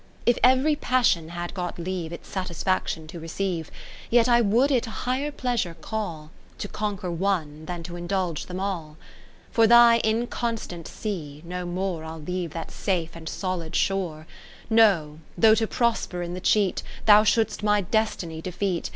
If ev'ry Passion had got leave Its satisfaction to receive, :^o Yet I would it a higher pleasure call, To conquer one, than to indulge them all. Ill For thy inconstant sea, no more I'll leave that safe and solid shore : No, though to prosper in the cheat, Thou shouldst my Destiny defeat.